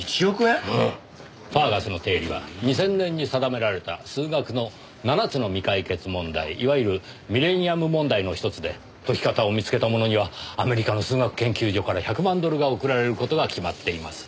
ファーガスの定理は２０００年に定められた数学の７つの未解決問題いわゆるミレニアム問題の１つで解き方を見つけた者にはアメリカの数学研究所から１００万ドルが贈られる事が決まっています。